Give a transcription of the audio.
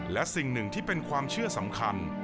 และสิ่งหนึ่งที่เป็นความเชื่อสำคัญ